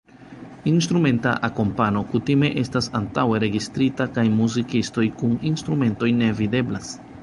Instrumenta akompano kutime estas antaŭe registrita kaj muzikistoj kun instrumentoj ne videblas.